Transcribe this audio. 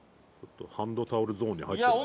ハンドタオルゾーンに入ってるな。